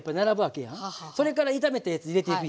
それから炒めたやつ入れていくやん。